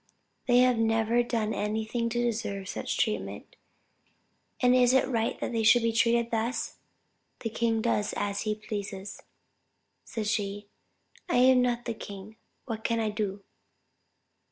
They have never done anything to deserve such treatment; and is it right they should be treated thus? 'The king does as he pleases,' said she, 'I am not the king, what can I do?'